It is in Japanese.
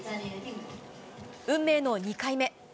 運命の２回目。